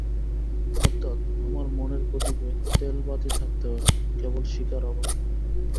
অর্থাৎ আমার মনের প্রদীপে তেল-বাতি থাকতে পারে, কেবল শিখার অভাব।